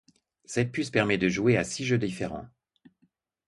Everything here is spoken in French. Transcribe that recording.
Cette puce permet de jouer à six jeux différents.